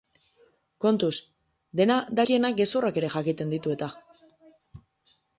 Kontuz, dena dakienak gezurrak ere jakiten ditu eta?